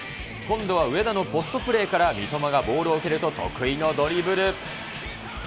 今度は上田のポストプレーから、三笘がボールを受けると、得意のドリブル。